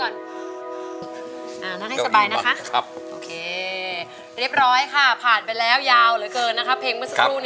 เซาโรยผ่านกระจกทอง